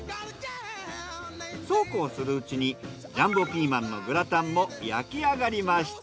そうこうするうちにジャンボピーマンのグラタンも焼き上がりました。